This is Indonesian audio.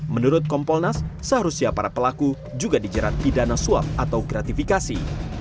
menurut kompolnas seharusnya para pelaku juga dijerat pidana suap atau gratifikasi